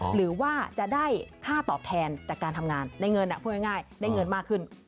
หรือว่าจะได้ค่าตอบแทนจากการทำงานได้เงินพูดง่ายได้เงินมากขึ้น